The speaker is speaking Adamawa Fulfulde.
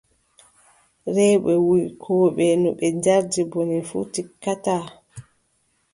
Rewɓe wuykooɓe, no ɓe njardi bone fuu, tikkataa.